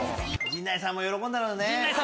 陣内さんも喜んだろうね。